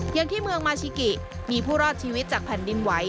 อย่างที่เมืองมาชิกิมีผู้รอดชีวิตจากแผ่นดินไหว